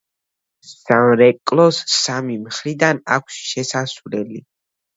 სამრეკლოს სამი მხრიდან აქვს შესასვლელი.